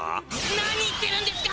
何言ってるんですか！